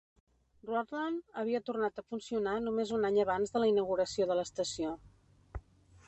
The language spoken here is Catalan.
Rutland havia tornat a funcionar només un any abans de la inauguració de l'estació.